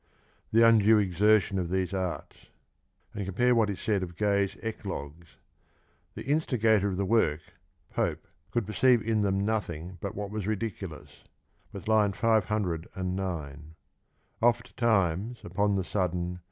•■":" the undue exertion of those arts: " and compare what is 8 aid of Gay's Eclogues —" The instif^ator of the work (Pope) .... oould perceive in thorn nothing but what was ridiculous," with lino 509, " Oft times upon the sudden sh?